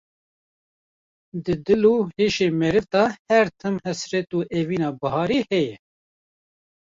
Di dil û heşê meriv de her tim hesret û evîna biharê heye